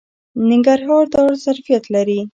ننګرهار دا ظرفیت لري.